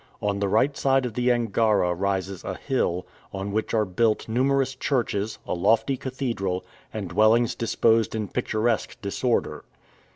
On the right side of the Angara rises a hill, on which are built numerous churches, a lofty cathedral, and dwellings disposed in picturesque disorder.